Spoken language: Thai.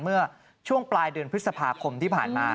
เมื่อช่วงปลายเดือนพฤษภาคมที่ผ่านมา